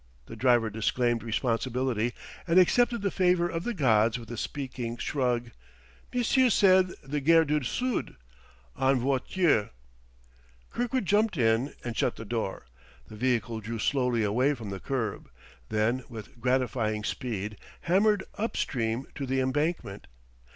The driver disclaimed responsibility and accepted the favor of the gods with a speaking shrug. "M'sieu' said the Gare du Sud? En voiture!" Kirkwood jumped in and shut the door; the vehicle drew slowly away from the curb, then with gratifying speed hammered up stream on the embankment.